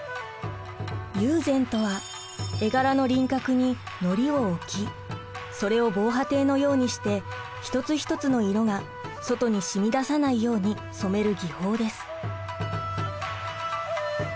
友禅とは絵柄の輪郭に糊を置きそれを防波堤のようにして一つ一つの色が外にしみ出さないように染める技法です。